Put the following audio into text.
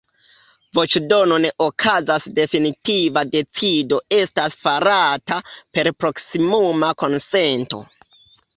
Voĉdono ne okazas, definitiva decido estas farata per proksimuma konsento.